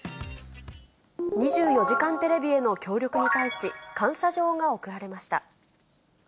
２４時間テレビへの協力に対し、感謝状が贈られました。